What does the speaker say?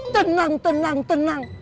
tenang tenang tenang